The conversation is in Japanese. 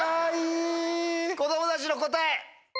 子供たちの答え。